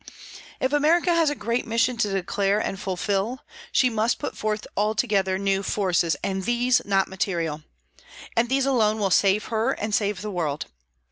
If America has a great mission to declare and to fulfil, she must put forth altogether new forces, and these not material. And these alone will save her and save the world.